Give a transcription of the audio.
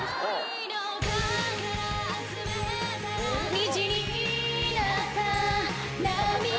「虹になった涙」